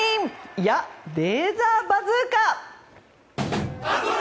いや、レーザーバズーカ！